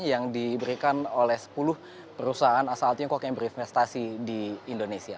yang diberikan oleh sepuluh perusahaan asal tiongkok yang berinvestasi di indonesia